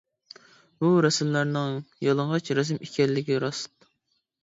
بۇ رەسىملەرنىڭ يالىڭاچ رەسىم ئىكەنلىكى راست.